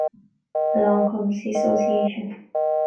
Along Comes the Association.